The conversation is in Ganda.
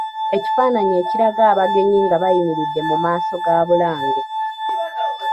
Ekifaananyi ekiraga abagenyi nga bayimiridde mu maaso ga Bulange.